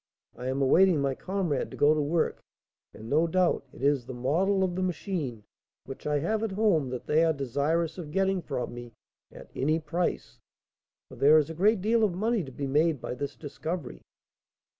I am awaiting my comrade to go to work, and, no doubt, it is the model of the machine which I have at home that they are desirous of getting from me at any price, for there is a great deal of money to be made by this discovery."